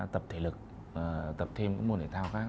tập thể lực tập thêm một nội thao khác